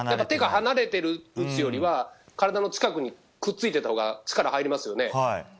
手が離れて打つよりは体の近くにくっついていたほうが力、入りますよね。